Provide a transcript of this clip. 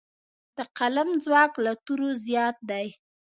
د قلم ځواک له تورو زیات دی.